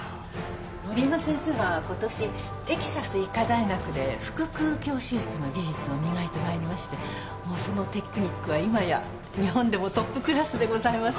森山先生は今年テキサス医科大学で腹腔鏡手術の技術を磨いて参りましてもうそのテクニックは今や日本でもトップクラスでございます。